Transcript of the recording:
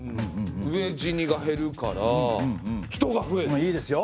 うえ死にが減るから人が増える？いいですよ。